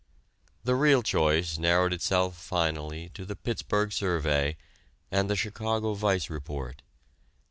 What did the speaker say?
The real choice narrowed itself finally to the Pittsburgh Survey and the Chicago Vice Report.